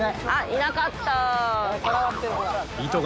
いなかった。